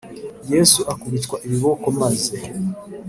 Yesu akubitwa ibiboko maze